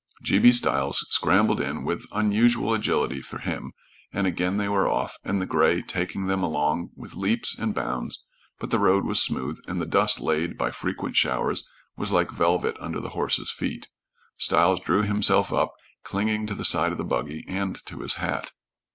G. B. Stiles scrambled in with unusual agility for him, and again they were off, the gray taking them along with leaps and bounds, but the road was smooth, and the dust laid by frequent showers was like velvet under the horse's feet. Stiles drew himself up, clinging to the side of the buggy and to his hat.